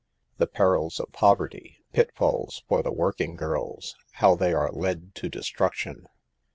THE PERILS OF POVERTY — PITFALLS FOR THE WORKING GIRLS — HOW THEY ARE LED TO DESTRUCTION.